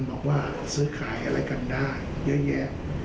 บอกว่าซื้อขายอะไรกันได้เยอะแยะ